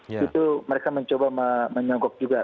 itu mereka mencoba menyonggok juga